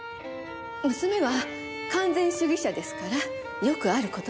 娘は完全主義者ですからよくある事です。